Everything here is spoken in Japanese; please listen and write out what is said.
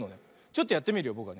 ちょっとやってみるよ。